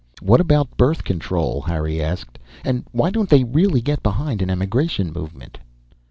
"What about birth control?" Harry asked. "Why don't they really get behind an emigration movement?"